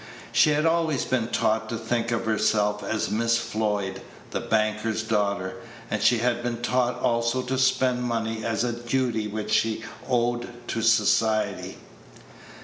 She had always been taught to think of herself as Miss Floyd, the banker's daughter, and she had been taught also to spend money as a duty which she owed to society.